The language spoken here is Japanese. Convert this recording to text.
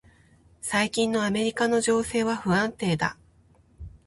最近のアメリカの情勢は不安定だ。